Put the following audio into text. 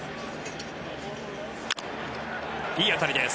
いい当たりです。